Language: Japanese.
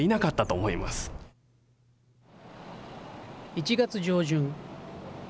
１月上旬。